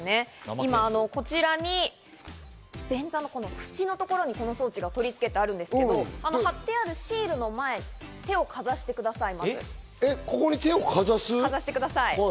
今こちらに便座の縁のところにこの装置が取り付けてあるんですけど、張ってあるシールの前、手をかざしてください。